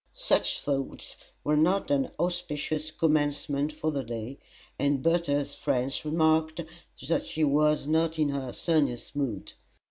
Such thoughts were not an auspicious commencement for the day, and Bertha's friends remarked that she was not in her sunniest mood.